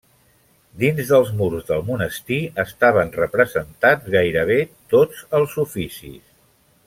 Dins dels murs del monestir estaven representats gairebé tots els oficis.